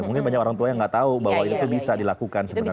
mungkin banyak orang tua yang nggak tahu bahwa itu bisa dilakukan sebenarnya